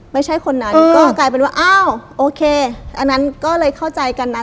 ไม่ใช่คนนั้นก็กลายเป็นว่าอ้าวโอเคอันนั้นก็เลยเข้าใจกันนะ